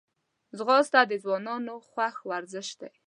ځغاسته د ځوانانو خوښ ورزش دی